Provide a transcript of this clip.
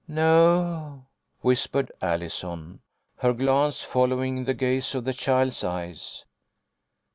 "No," whispered Allison, her glance following the gaze of the child's eyes.